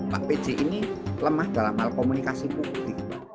pak pj ini lemah dalam hal komunikasi publik